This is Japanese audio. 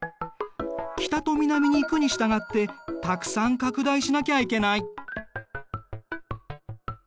北と南に行くに従ってたくさん拡大しなきゃいけない。